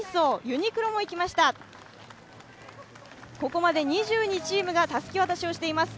ここまで２２チームがたすき渡しをしています。